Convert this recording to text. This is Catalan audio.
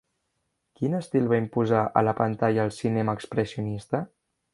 Quin estil va imposar a la pantalla el cinema expressionista?